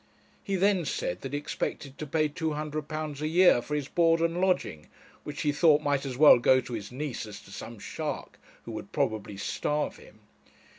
He then said that he expected to pay £200 a year for his board and lodging, which he thought might as well go to his niece as to some shark, who would probably starve him.